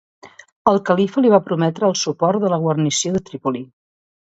El califa li va prometre el suport de la guarnició de Trípoli.